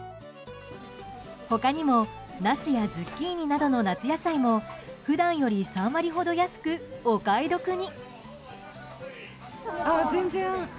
他にもナスやズッキーニなどの夏野菜も普段より３割ほど安くお買い得に。